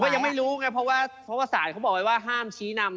ผมก็ยังไม่รู้ไงเพราะว่าศาลเขาบอกว่าห้ามชี้นำ